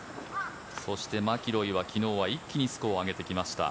そしてマキロイは昨日は一気にスコアを上げてきました。